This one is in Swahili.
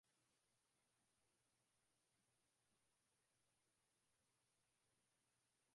mahakama hiyo licha ya kumtia tian kioo kwa kosa hilo